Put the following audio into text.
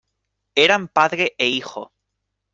eran padre e hijo.